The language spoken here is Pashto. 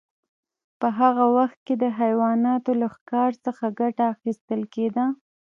په هغه وخت کې د حیواناتو له ښکار څخه ګټه اخیستل کیده.